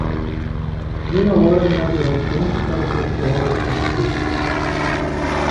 Meia hora não haverá tempo para o pessoal assistido.